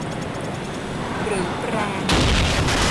หรือแปรง